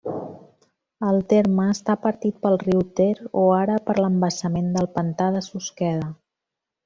El terme està partit pel riu Ter o ara per l'embassament del pantà de Susqueda.